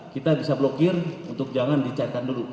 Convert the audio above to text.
kita bisa blokir untuk jangan dicairkan dulu